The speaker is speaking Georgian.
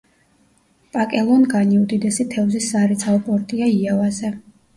პაკელონგანი უდიდესი თევზის სარეწაო პორტია იავაზე.